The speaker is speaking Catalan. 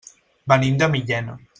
Venim de Millena.